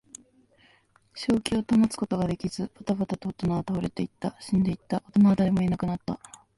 正気を保つことができず、ばたばたと大人は倒れていった。死んでいった。大人は誰もいなくなった。